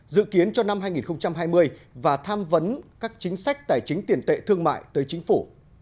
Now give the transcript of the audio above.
dự kiến cho năm hai nghìn hai mươi và tham vấn các chính sách tài chính tiền tệ thương mại tới chính phủ